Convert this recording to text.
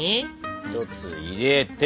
１つ入れて。